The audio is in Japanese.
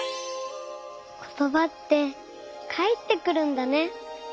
ことばってかえってくるんだね。